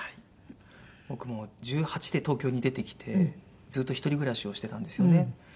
僕もう１８で東京に出てきてずっと一人暮らしをしてたんですよね。